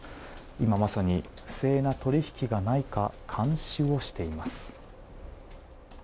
今まさに、不正な取引がないか監視をしています。